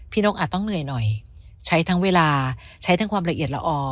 นกอาจต้องเหนื่อยหน่อยใช้ทั้งเวลาใช้ทั้งความละเอียดละออ